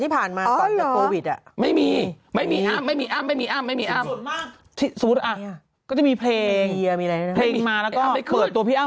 มันเป็นคนไม่กล้ามันไม่ใช่หญิงหรืออะไรแต่มันเป็นคนไม่กล้าขึ้นคอนเสิร์ต